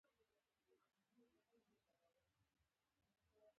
جیني یانګ وایي بد حالت دایمي نه دی.